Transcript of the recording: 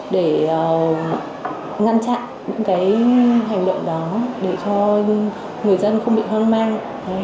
để ngăn chặn những hành động đó để cho người dân không bị hoang mang